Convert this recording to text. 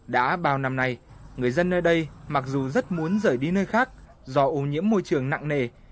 đã bao năm nay người dân nơi đây mặc dù rất muốn rời đi nơi khác do ô nhiễm môi trường nặng nề